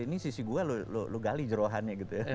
ini sisi gue lo gali jerohannya gitu ya